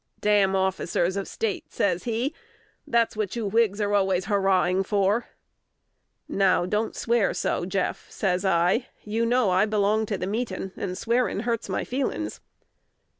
"Damn officers of State!" says he: "that's what you Whigs are always hurrahing for." "Now, don't swear so, Jeff," says I: "you know I belong to the meetin', and swearin' hurts my feelins'."